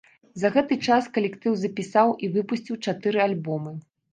За гэты час калектыў запісаў і выпусціў чатыры альбомы.